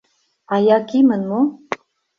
— А Якимын мо?